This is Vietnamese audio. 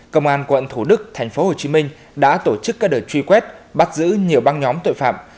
công an quận thủ đức tp hcm đã tổ chức các đợt truy quét bắt giữ nhiều băng nhóm tội phạm